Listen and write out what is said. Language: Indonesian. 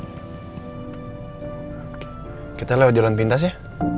kita lewat jalan pintas ya